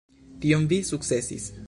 Tion vi sukcesis.